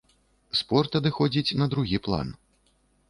Спорт адыходзіць на другі план.